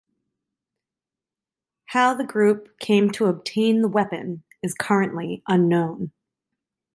How the group came to obtain the weapon is currently unknown.